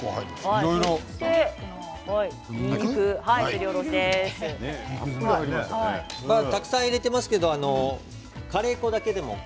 いろいろたくさん入れてますけどカレー粉だけでも。